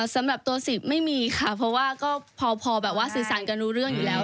สำหรับตัว๑๐ไม่มีค่ะเพราะว่าก็พอแบบว่าสื่อสารกันรู้เรื่องอยู่แล้ว